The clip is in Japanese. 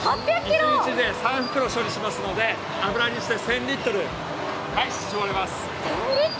一日で３袋処理しますので、油にして１０００リットル搾れます。